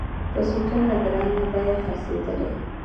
په څو چنده ګرانه بیه خرڅېدلې.